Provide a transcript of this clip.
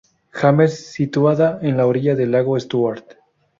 James, situada en la orilla del lago Stuart.